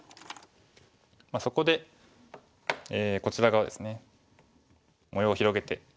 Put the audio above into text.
そこでこちら側ですね模様を広げていきます。